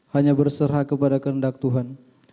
hanya berserah kepada kehendak tuhan